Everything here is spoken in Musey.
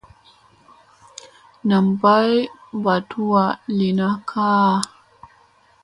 Nam bay mba tuwa li na kaaʼa.